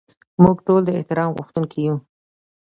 موږ ټول د احترام غوښتونکي یو.